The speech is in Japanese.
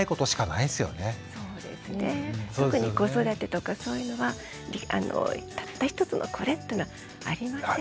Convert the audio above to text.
特に子育てとかそういうのはたった一つのこれっていうのはありません。